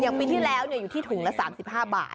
อย่างปีที่แล้วเนี่ยอยู่ที่ถุงละ๓๕บาท